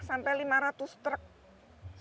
dan akhirnya semua stakeholder pemerintah dki